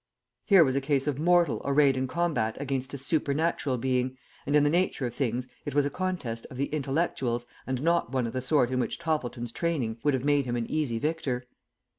Here was a case of mortal arrayed in combat against a supernatural being, and in the nature of things it was a contest of the intellectuals and not one of the sort in which Toppleton's training would have made him an easy victor.